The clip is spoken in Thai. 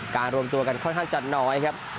รวมตัวกันค่อนข้างจะน้อยครับ